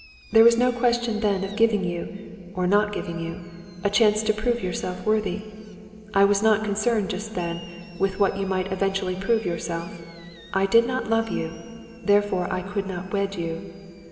There was no question then of giving you, or not giving you, a chance to prove yourself worthy. I was not concerned just then with what you might eventually prove yourself. I did not love you; therefore, I could not wed you.